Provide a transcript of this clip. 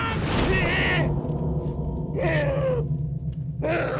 ya sudah diberesin di sana